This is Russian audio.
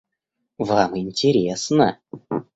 Вам интересно.